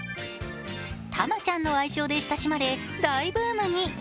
タマちゃんの愛称で親しまれ、大ブームに！